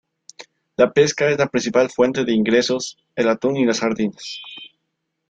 La pesca es la principal fuente de ingresos, el atún y las sardinas.